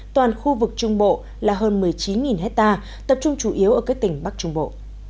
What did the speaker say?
toàn khu vực trung bộ là hơn một mươi chín hectare tập trung chủ yếu ở các tỉnh bắc trung bộ